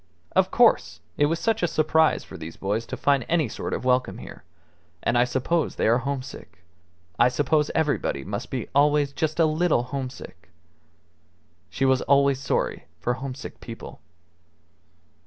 "Of course, it was such a surprise for these boys to find any sort of welcome here. And I suppose they are homesick. I suppose everybody must be always just a little homesick." She was always sorry for homesick people.